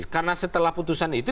karena setelah putusan itu